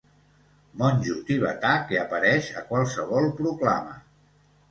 Monjo tibetà que apareix a qualsevol proclama.